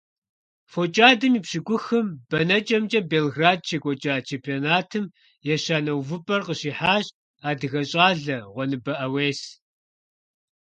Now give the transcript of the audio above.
ФокӀадэм и пщӀыкӀухым бэнэкӀэмкӀэ Белград щекӀуэкӀа чемпионатым ещанэ увыпӀэр къыщихьащ адыгэ щӀалэ Гъуэныбэ Ӏэуес.